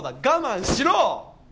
我慢しろ！